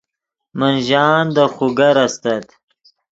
من ژان دے خوگر استت